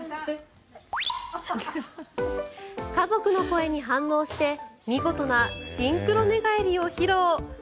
家族の声に反応して見事なシンクロ寝返りを披露。